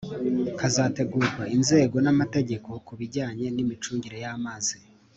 hazategurwa inzego n'amategeko ku bijyanye n'imicungire y'amazi.